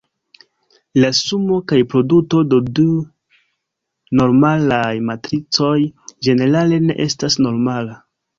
La sumo kaj produto de du normalaj matricoj ĝenerale ne estas normala.